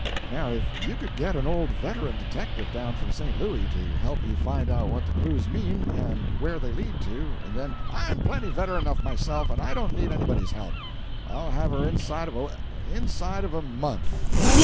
Now if you could get an old veteran detective down from St. Louis to help you find out what the clues mean, and where they lead to, and then " "I'm plenty veteran enough myself, and I don't need anybody's help. I'll have her inside of a we inside of a month.